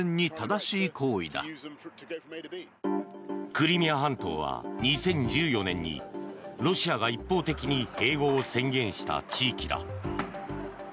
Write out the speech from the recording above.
クリミア半島は、２０１４年にロシアが一方的に併合を宣言した地域だ。